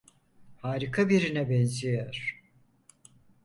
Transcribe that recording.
Harika birine benziyor.